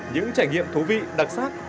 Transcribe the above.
những trải nghiệm thú vị đặc sắc